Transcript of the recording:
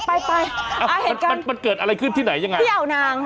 เอ้าเห็นกันพี่เอานางค่ะที่เกิดอะไรขึ้นที่ไหนอย่างนั้น